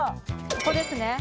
ここですね。